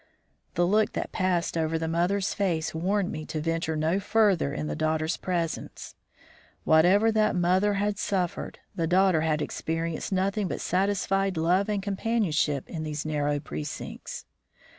The look that passed over the mother's face warned me to venture no further in the daughter's presence. Whatever that mother had suffered, the daughter had experienced nothing but satisfied love and companionship in these narrow precincts.